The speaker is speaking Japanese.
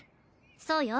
そうよ